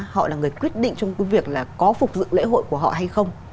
họ là người quyết định trong cái việc là có phục dựng lễ hội của họ hay không